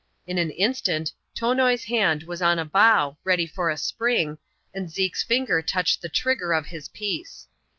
In an in stant, Tonoi's hand was on a bough, ready for a spring, and Zeke's finger touched the trigger of his piece.